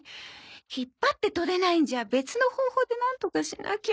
引っ張って取れないんじゃ別の方法でなんとかしなきゃ。